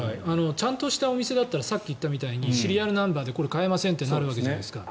ちゃんとしたお店だったらさっき言ったみたいにシリアルナンバーでこれ、買えませんとなるわけじゃないですか。